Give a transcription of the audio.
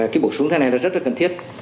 cái bổ sung thế này là rất là cần thiết